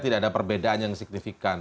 tidak ada perbedaan yang signifikan